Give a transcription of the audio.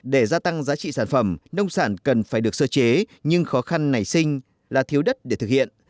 để gia tăng giá trị sản phẩm nông sản cần phải được sơ chế nhưng khó khăn nảy sinh là thiếu đất để thực hiện